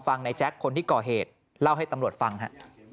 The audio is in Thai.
ในแจ๊คคนที่ก่อเหตุเล่าให้ตำรวจฟังฮะ